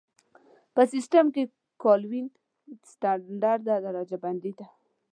په سیسټم کې کلوین ستندرده درجه بندي ده.